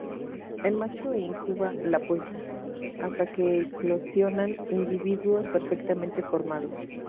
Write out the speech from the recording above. El macho incuba la puesta, hasta que eclosionan individuos perfectamente formados.